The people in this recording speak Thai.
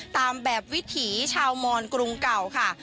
ตามแบบวิถีชาวมอนกรุงเก่าค่ะ